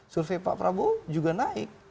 survei pak prabowo juga naik